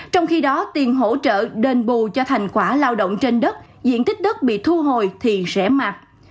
trong khi đó tiền hỗ trợ đền bù cho thành quả lao động trên đất diện tích đất bị thu hồi thì sẽ mặt